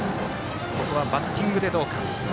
ここはバッティングでどうか。